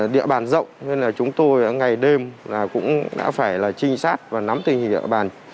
địa bàn rộng nên là chúng tôi ngày đêm là cũng đã phải là trinh sát và nắm tình hình địa bàn